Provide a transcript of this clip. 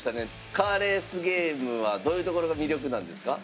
カーレースゲームはどういうところが魅力なんですか？